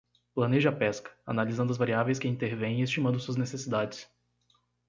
Planeje a pesca, analisando as variáveis que intervêm e estimando suas necessidades.